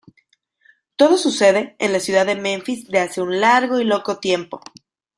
Todo sucede en la ciudad de Memphis de hace un largo y loco tiempo.